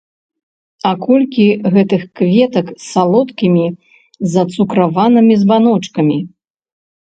А колькі гэтых кветак з салодкімі, зацукраванымі збаночкамі!